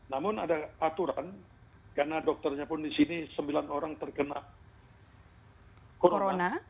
namun ada aturan karena dokternya pun di sini sembilan orang terkena corona